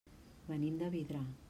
Venim de Vidrà.